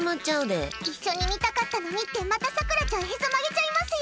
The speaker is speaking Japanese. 一緒に見たかったのにってまたさくらちゃんへそ曲げちゃいますよ。